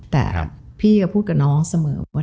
แต่พี่ก็พูดกับน้องเสมอว่า